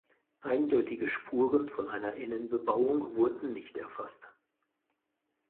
Eindeutige Spuren von einer Innenbebauung wurden nicht erfasst.